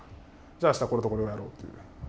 じゃあ明日これとこれをやろうっていう。